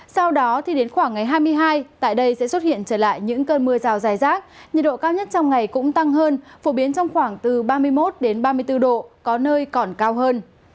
sau đó thì đến khoảng ngày hai mươi hai tại đây sẽ xuất hiện trở lại những cơn mưa rào dài rác nhiệt độ cao nhất trong ngày cũng tăng hơn phổ biến trong khoảng từ ba mươi một ba mươi bốn độ có nơi còn cao hơn